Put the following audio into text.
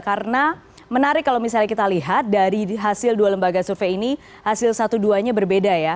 karena menarik kalau misalnya kita lihat dari hasil dua lembaga survei ini hasil satu duanya berbeda ya